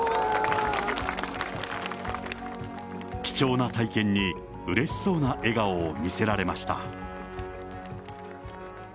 貴重な体験にうれしそうな笑顔を見せられました。